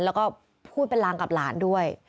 แล้วก็พูดเป็นลางกับหลานด้วย